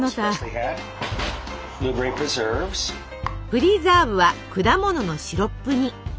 プリザーブは果物のシロップ煮。